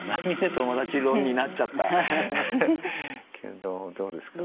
友達論になっちゃったけどどうですかね。